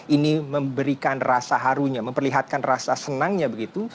ini memberikan rasa harunya memperlihatkan rasa senangnya begitu